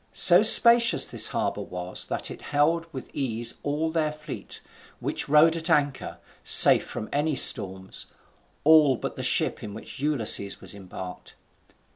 So spacious this harbour was that it held with ease all their fleet, which rode at anchor, safe from any storms, all but the ship in which Ulysses was embarked.